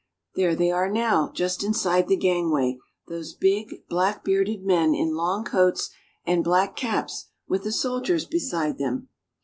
There they are now, just inside the gangway, those big, black bearded men in long coats and black caps with the soldiers beside them